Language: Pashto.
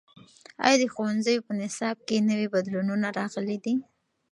ایا د ښوونځیو په نصاب کې نوي بدلونونه راغلي دي؟